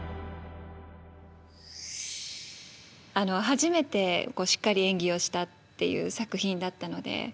初めてしっかり演技をしたっていう作品だったので。